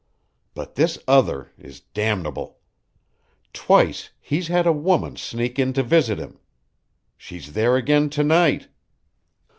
But this other is damnable! Twice he's had a woman sneak in to visit him. She's there again to night!"